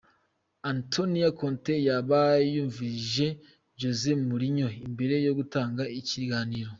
Antonio Conte yoba yumvirije Jose Mourinho imbere yo gutanga ikiganiro?.